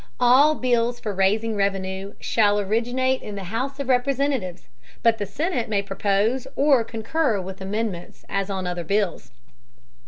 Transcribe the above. All Bills for raising Revenue shall originate in the House of Representatives; but the Senate may propose or concur with Amendments as on other Bills.